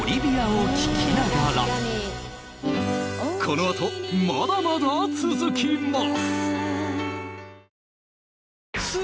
このあとまだまだ続きます！